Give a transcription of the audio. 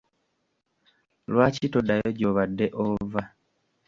Lwaki toddayo gy’obadde ova?